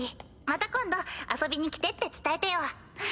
また今度遊びに来てって伝えてよ。